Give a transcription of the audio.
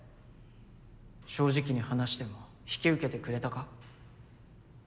正直に話しても引き受けてくれたか？